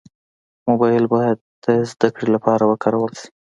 موبایل باید د زدهکړې لپاره وکارول شي.